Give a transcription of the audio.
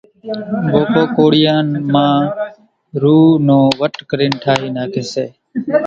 ڀوپو ڪوڙيان مان رُو نِي وٽِ ٺاھين ناکي سي